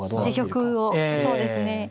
自玉をそうですね。